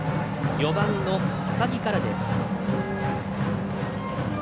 ４番の高木からです。